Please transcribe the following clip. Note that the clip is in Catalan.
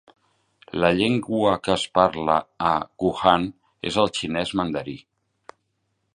La llengua que es parla a Wuhan és el xinès mandarí.